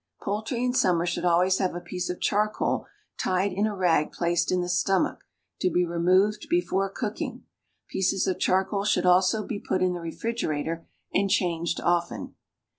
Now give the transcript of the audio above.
Poultry in summer should always have a piece of charcoal tied in a rag placed in the stomach, to be removed before cooking. Pieces of charcoal should also be put in the refrigerator and changed often.